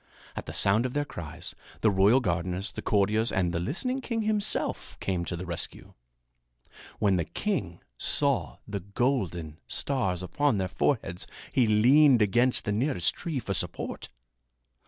At the sound of their cries, the royal gardeners, the courtiers and the listening king himself came to the rescue. When the king saw the golden stars upon their foreheads he leaned against the nearest tree for support.